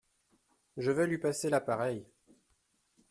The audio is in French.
Je vais lui passer l’appareil.